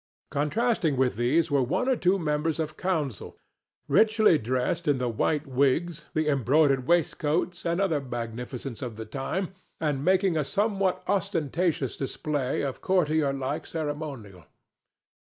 Contrasting with these were one or two members of council, richly dressed in the white wigs, the embroidered waistcoats and other magnificence of the time, and making a somewhat ostentatious display of courtier like ceremonial.